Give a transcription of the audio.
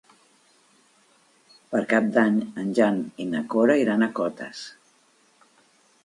Per Cap d'Any en Jan i na Cora iran a Cotes.